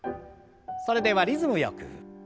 それではリズムよく。